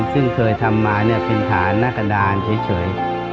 ซึ่งเคยทำมาเป็นฐานนักฎาลเฉย